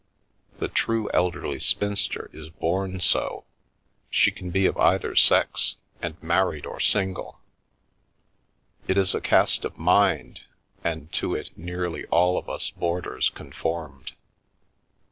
The true elderly spinster is born so ; she can be of either sex, and married or single. It is a cast of mind, and to it nearly all of us boarders conformed.